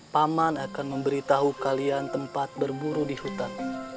paman akan memberitahu kalian tempat berburu di hutan